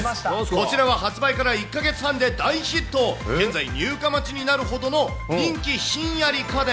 こちらは発売から１か月半で大ヒット、現在、入荷待ちになるほどの人気ひんやり家電。